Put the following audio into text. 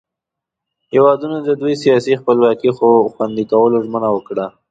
هیوادونو د دوئ سیاسي خپلواکي خوندي کولو ژمنه وکړه.